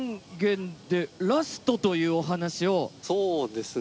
そうですね。